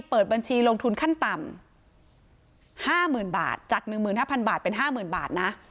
เปิดบัญชีลงทุนขั้นต่ำ๕๐๐๐บาท